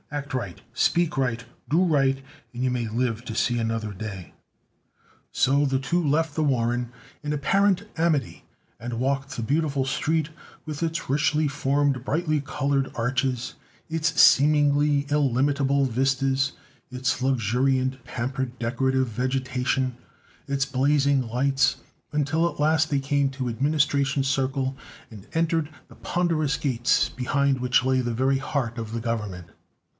Act right, speak right, do right, and you may live to see another day." So the two left the warren in apparent amity, and walked the beautiful street, with its richly formed, brightly colored arches, its seemingly illimitable vistas, its luxuriant, pampered decorative vegetation, its blazing lights until at last they came to Administration Circle, and entered the ponderous gates behind which lay the very heart of the Government.